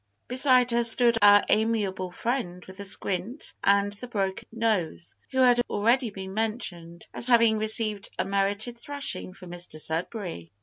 Beside her stood our amiable friend with the squint and the broken nose, who has already been mentioned as having received a merited thrashing from Mr Sudberry.